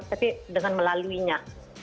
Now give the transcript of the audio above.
tapi dengan melaluinya